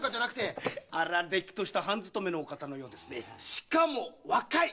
しかも若い！